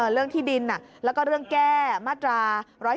เรื่องที่ดินแล้วก็เรื่องแก้มาตรา๑๔